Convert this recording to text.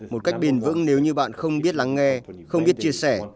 một cách bền vững nếu như bạn không biết lắng nghe không biết chia sẻ